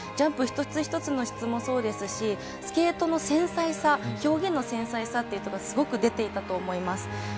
ジャンプ一つ一つの質もそうですしスケートの繊細さ、表現の繊細さすごく出ていたと思います。